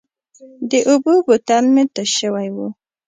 د اوبو بوتل مې تش شوی و.